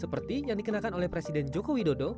seperti yang dikenakan oleh presiden jokowi dodo